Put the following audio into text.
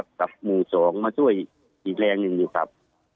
พอแผมเป็นอาวุธอีกแรงหนึ่งอยู่ครับ